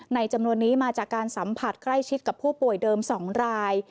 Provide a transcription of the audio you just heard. จำนวนนี้มาจากการสัมผัสใกล้ชิดกับผู้ป่วยเดิม๒ราย